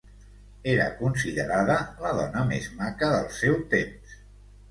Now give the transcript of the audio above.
Era considerada la dona més maca del seu temps.